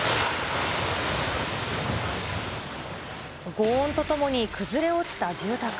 ごう音とともに崩れ落ちた住宅。